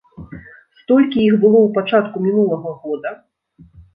Столькі іх было ў пачатку мінулага года.